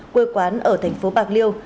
quê quán ở thành phố bạc liêu